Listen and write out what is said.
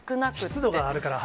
湿度があるから。